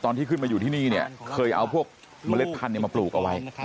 ที่ขึ้นมาอยู่ที่นี่เนี่ยเคยเอาพวกเมล็ดพันธุ์มาปลูกเอาไว้